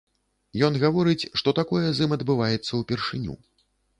Ён гаворыць, што такое з ім адбываецца ўпершыню.